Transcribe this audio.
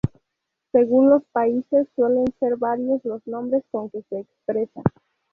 Según los países suelen ser varios los nombres con que se expresa.